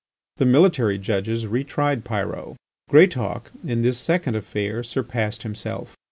The military judges re tried Pyrot. Greatauk, in this second affair, surpassed himself.